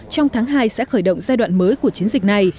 trong tháng hai sẽ khởi động giai đoạn mới của chiến dịch này